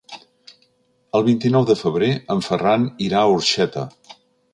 El vint-i-nou de febrer en Ferran irà a Orxeta.